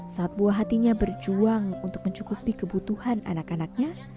saat buah hatinya berjuang untuk mencukupi kebutuhan anak anaknya